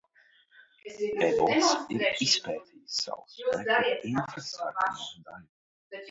Ebots ir izpētījis Saules spektra infrasarkano daļu.